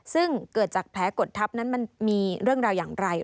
ซึ่งเกิดจากแผลกดทับนั้นมันมีเรื่องราวอย่างไร